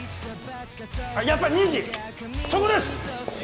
あっやっぱ２時そこです！